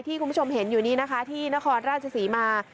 คุณผู้ชมเห็นอยู่นี้นะคะที่นครราชศรีมา